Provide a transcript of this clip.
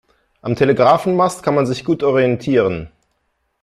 Am Telegrafenmast kann man sich gut orientieren.